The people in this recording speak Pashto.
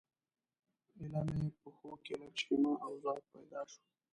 ایله مې پښو کې لږه شیمه او ځواک پیدا شو.